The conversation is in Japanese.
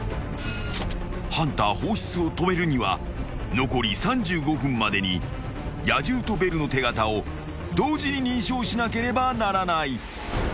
［ハンター放出を止めるには残り３５分までに野獣とベルの手形を同時に認証しなければならない］